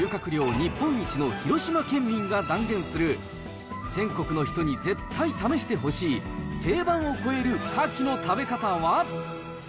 日本一の広島県民が断言する、全国の人に絶対試してほしい、定番を超えるカキの食べ方は。